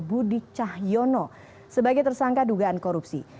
budi cahyono sebagai tersangka dugaan korupsi